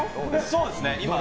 そうですね。